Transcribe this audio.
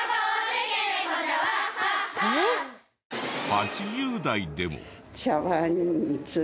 ８０代でも。